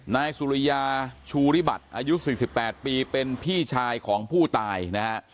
นายสุริยาชูริบัติอายุ๔๘ปีเป็นพี่ชายของผู้ตายนะฮะ